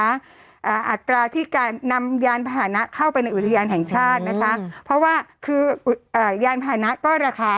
อัตราที่การนำยานพาหนะเข้าไปในอุทยานแห่งชาตินะคะเพราะว่าคืออ่ายานพานะก็ราคา